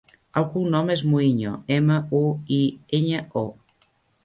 El cognom és Muiño: ema, u, i, enya, o.